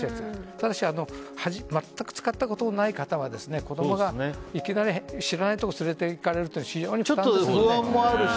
ただし全く使ったことのない方は子供がいきなり知らないところに連れていかれるというのはちょっと不安もあるし。